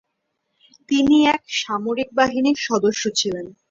তিনি এক সামরিক বাহিনীর সদস্য ছিলেন।